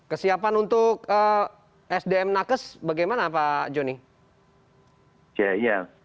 kesiapan untuk sdm nakes bagaimana pak joni